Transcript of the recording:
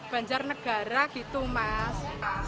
banjarnegara gitu mas